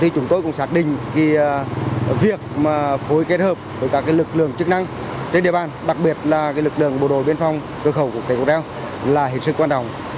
chúng tôi cũng xác định việc phối kết hợp với các lực lượng chức năng trên địa bàn đặc biệt là lực lượng bộ đội biên phòng cửa khẩu của tqd là hình sự quan trọng